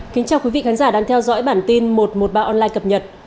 kính chào quý vị khán giả đang theo dõi bản tin một trăm một mươi ba online cập nhật